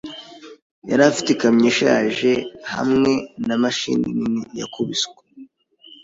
Yari afite ikamyo ishaje hamwe na mashini nini, yakubiswe.